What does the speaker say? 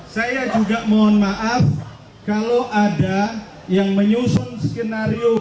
saya juga mohon maaf kalau ada yang menyusun skenario